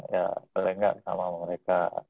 ya boleh nggak sama mereka